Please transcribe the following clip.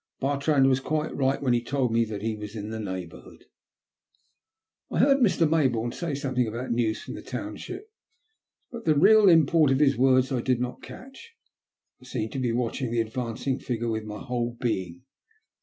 Bartrand was quite right when he told me that he was in the neighbourhood. I heard Mr. Mayboume say something about news from the township, but the real import of his words I did not catch. I seemed to be watching the advancing figure with my whole being.